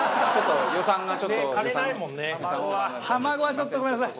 卵はちょっとごめんなさい。